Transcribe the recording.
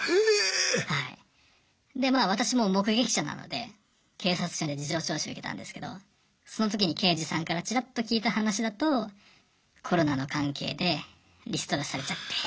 でまあ私も目撃者なので警察署で事情聴取受けたんですけどその時に刑事さんからちらっと聞いた話だとコロナの関係でリストラされちゃって。